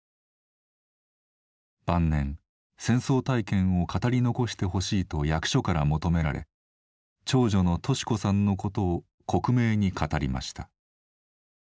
晩年戦争体験を語り残してほしいと役所から求められ長女の敏子さんのことを克明に語りました。